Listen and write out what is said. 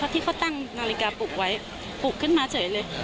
ที่เขาตั้งนาฬิกาปลูกไว้ปลูกขึ้นมาเฉยเลย